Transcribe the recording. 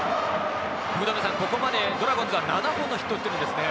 ここまでドラゴンズは７本のヒットを打ってるんですね。